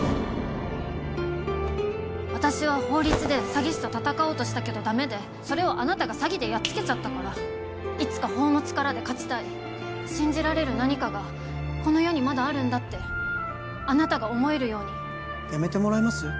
私は法律で詐欺師と戦おうとしたけどダメでそれをあなたが詐欺でやっつけちゃったからいつか法の力で勝ちたい信じられる何かがこの世にまだあるんだってあなたが思えるようにやめてもらえます？